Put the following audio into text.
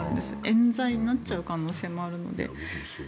えん罪になっちゃう可能性もあるので。